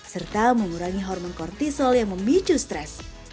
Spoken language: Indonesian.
serta mengurangi hormon kortisol yang memicu stres